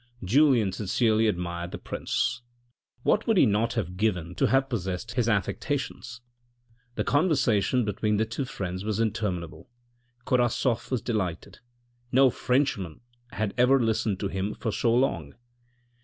Julien sincerely admired the prince; what would he not have given to have possessed his affectations ! The conversa tion between the two friends was interminable. Korasoff was delighted : No Frenchman had ever listened to him for so long.